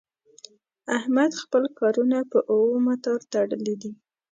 احمد خپل کارونه په اومه تار تړلي دي.